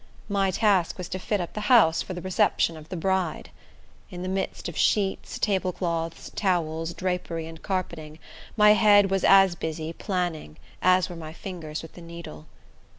My task was to fit up the house for the reception of the bride. In the midst of sheets, tablecloths, towels, drapery, and carpeting, my head was as busy planning, as were my fingers with the needle.